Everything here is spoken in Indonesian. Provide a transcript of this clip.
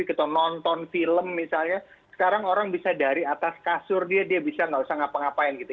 kita nonton film misalnya sekarang orang bisa dari atas kasur dia dia bisa nggak usah ngapa ngapain gitu